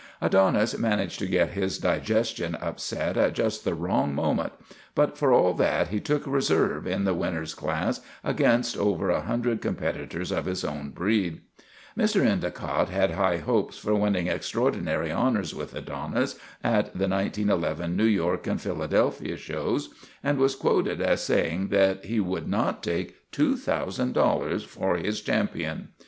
Adonis man aged to get his digestion upset at just the wrong mo ment, but for all that he took reserve in the winners class against over a hundred competitors of his own breed. Mr. Endicott had high hopes for winning extraor dinary honors with Adonis at the 1911 New York 290 THE RETURN OF THE CHAMPION and Philadelphia shows, and was quoted as saying that he would not take $2,000 for his champion.